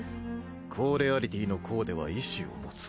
高レアリティのコーデは意志を持つ。